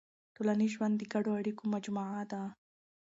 ټولنیز ژوند د ګډو اړیکو مجموعه ده.